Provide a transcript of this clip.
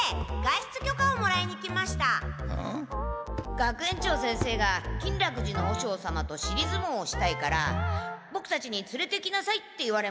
学園長先生が金楽寺の和尚様としりずもうをしたいからボクたちにつれてきなさいって言われまして。